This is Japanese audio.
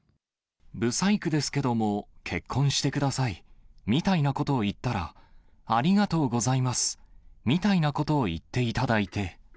ブサイクですけども、結婚してくださいみたいなことを言ったら、ありがとうございます、みたいなことを言っていただいて。